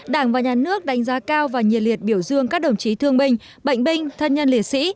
đảng và nhà nước đánh giá cao và nhiệt liệt biểu dương các đồng chí thương binh bệnh binh thân nhân liệt sĩ